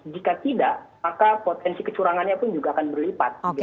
jika tidak maka potensi kecurangannya pun juga akan berlipat